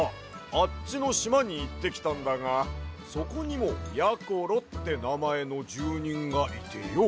あっちのしまにいってきたんだがそこにもやころってなまえのじゅうにんがいてよ。